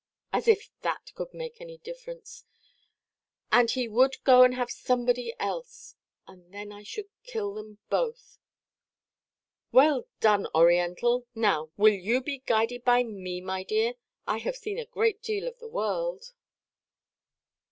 "As if that could make any difference! And he would go and have somebody else. And then I should kill them both." "Well done, Oriental! Now, will you be guided by me, my dear? I have seen a great deal of the world."